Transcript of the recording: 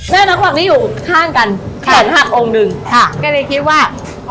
แม่นักฝักนี่อยู่ข้างกันแขนหักองค์หนึ่งค่ะก็เลยคิดว่าอ้อ